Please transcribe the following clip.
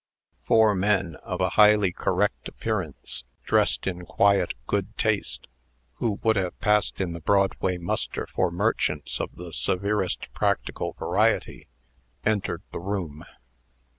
Four men, of a highly correct appearance, dressed in quiet good taste, who would have passed in the Broadway muster for merchants of the severest practical variety, entered the room.